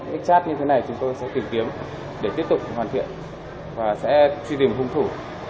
ít chat như thế này chúng tôi sẽ tìm kiếm để tiếp tục hoàn thiện và sẽ truy tìm hung thủ